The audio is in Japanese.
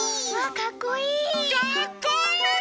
かっこいい！